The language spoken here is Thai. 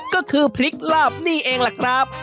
ก็คือพริกลาบนี่เองล่ะครับ